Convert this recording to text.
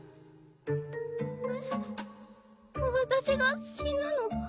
私が死ぬの？